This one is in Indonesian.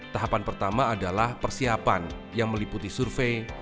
tahapan pertama adalah persiapan yang meliputi survei